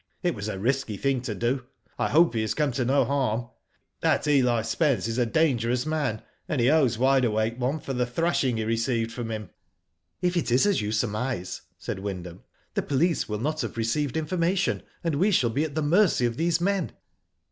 It was a risky thing to do. I hope he has come to no harm. That Eli Spence is a dangerous man, and he owes Wide Awake one for the thrashing he received from him." If it is as you surmise," said Wyndham, "the police will not have received information, and we shall be at the mercy of these men."